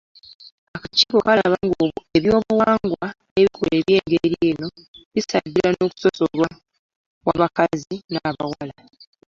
Akakiiko kalaba ng’obuwangwa n’ebikolwa eby’engeri eno bisajjula okusosolwa kw’abakazi n’abawala.